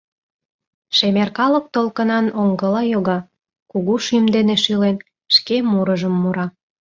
Шемер калык толкынан оҥгыла йога, кугу шӱм дене шӱлен, шке мурыжым мура: